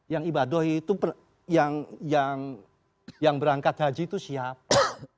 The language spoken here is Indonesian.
yang ibadah itu yang berangkat haji itu siapa